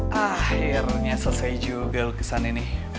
kalau kayaknya kita pergi bersama